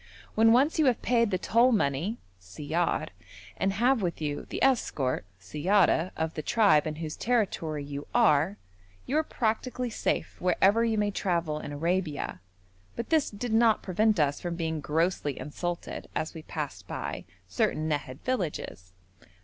When once you have paid the toll money (siyar), and have with you the escort (siyara) of the tribe in whose territory you are, you are practically safe wherever you may travel in Arabia, but this did not prevent us from being grossly insulted as we passed by certain Nahad villages.